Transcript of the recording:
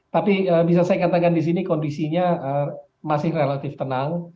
tapi bisa saya katakan di sini kondisinya masih relatif tenang